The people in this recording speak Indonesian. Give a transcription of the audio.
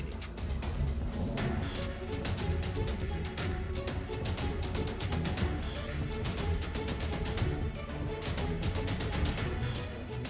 lihatlah apa yang dilakukan warga yang satu ini